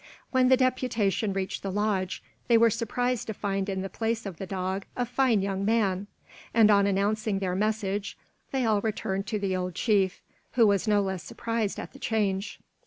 When the deputation reached the lodge, they were surprised to find in the place of the dog a fine young man; and on announcing their message, they all returned to the old chief, who was no less surprised at the change.